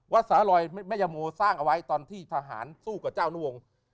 สารลอยแม่ยาโมสร้างเอาไว้ตอนที่ทหารสู้กับเจ้านวงศ์